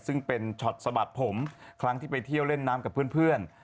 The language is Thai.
ซึ่งเป็นช็อตสะบัดผมครั้งที่ไปเที่ยวเล่นน้ำกับเพื่อน